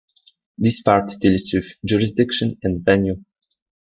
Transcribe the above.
This part deals with jurisdiction and venue.